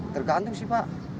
tergantung sih pak